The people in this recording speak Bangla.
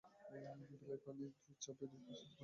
বিলের পানির চাপে দুই পাশের মাটি সরে সড়কটি সরু হতে থাকে।